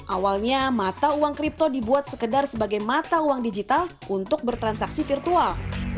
awalnya mata uang kripto dibuat sekedar sebagai mata uang digital untuk bertransaksi virtual